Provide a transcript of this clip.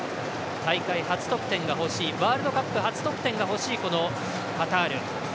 大会初得点が欲しいワールドカップ初得点が欲しいカタール。